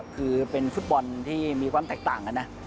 คือเป็นฟุตบอลที่มีความแตกต่างกันนะ